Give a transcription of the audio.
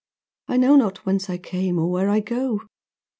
I know not whence I came, or where I go.